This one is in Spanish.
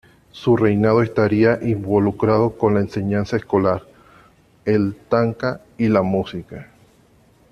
Su reinado estaría involucrado con la enseñanza escolar, el tanka y la música.